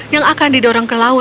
yang akan didorong ke laut